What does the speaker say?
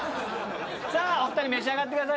お二人召し上がってください。